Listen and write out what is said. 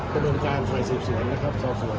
ก็มีการส่วนสอบสวนนะครับ